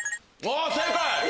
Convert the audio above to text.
正解！